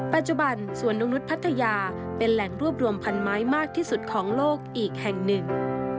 ปัจจุบันสวนนกนุษย์พัทยาเป็นแหล่งรวบรวมพันไม้มากที่สุดของโลกอีกแห่งหนึ่ง